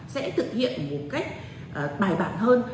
sẽ thực hiện một cách bài bản hơn